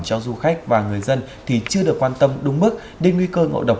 cho du khách và người dân thì chưa được quan tâm đúng mức nên nguy cơ ngộ độc